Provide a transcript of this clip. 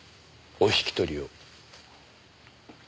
お引き取りを。